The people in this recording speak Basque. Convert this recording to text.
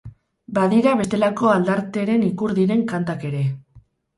Badira bestelako aldarteren ikur diren kantak ere.